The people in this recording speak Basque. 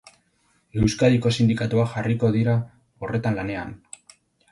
Euskadiko sindikatuak jarriko dira horretan lanean.